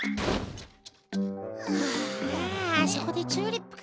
はああそこでチューリップか。